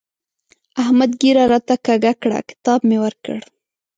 احمد ږيره راته کږه کړه؛ کتاب مې ورکړ.